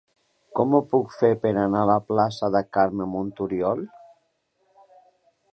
Com ho puc fer per anar a la plaça de Carme Montoriol?